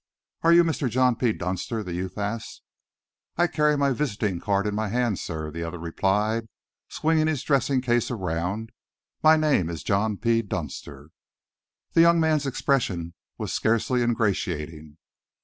"Are you Mr. John P. Dunster?" the youth asked. "I carry my visiting card in my hand, sir," the other replied, swinging his dressing case around. "My name is John P. Dunster." The young man's expression was scarcely ingratiating.